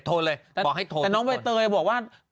แต่น้องเวเตยบอกว่า